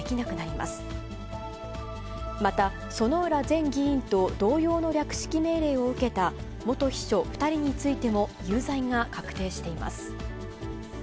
また、薗浦前議員と同様の略式命令を受けた元秘書２人についても、有罪が確定しています。